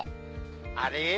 あれ？